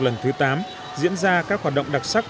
lần thứ tám diễn ra các hoạt động đặc sắc